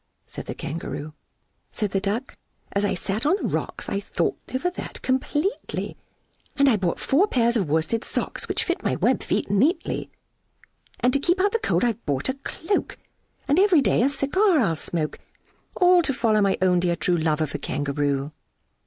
said the Kangaroo. Said the Duck, "As I sate on the rocks, I have thought over that completely, And I bought four pairs of worsted socks Which fit my web feet neatly And to keep out the cold I've bought a cloak And every day a cigar I'll smoke, All to follow my own dear true Love of a Kangaroo!"